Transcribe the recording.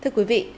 thưa quý vị